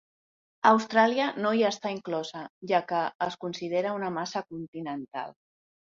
Austràlia no hi està inclosa, ja que es considera una massa continental.